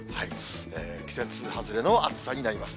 季節外れの暑さになります。